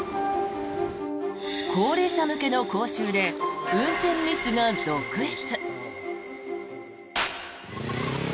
高齢者向けの講習で運転ミスが続出。